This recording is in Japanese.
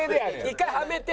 一回はめて。